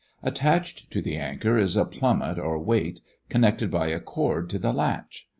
Attached to the anchor is a plummet or weight, connected by a cord to the latch.